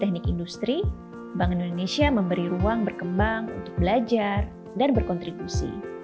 teknik industri bank indonesia memberi ruang berkembang untuk belajar dan berkontribusi